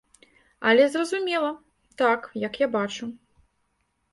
Але, зразумела, так, як я бачу.